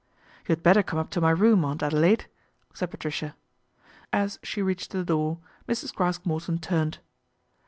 ' You had better come up to my room, Aunt Adelaide," said Patricia. As she reached the door, Mrs. Craske Morton turned.